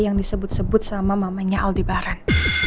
yang disebut sebut sama mamanya aldebaran